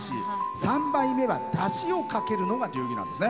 ３杯目は、だしをかけるのが流儀なんですね。